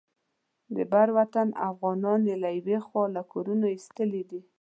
د بر وطن افغانان یې له یوې خوا له کورونو ایستلي.